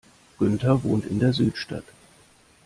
Günther wohnt in der Südstadt.